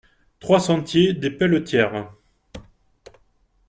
trois sentier des Pelletières